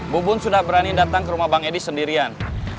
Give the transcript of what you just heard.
bubun sudah berani datang ke rumah bang edi sendirian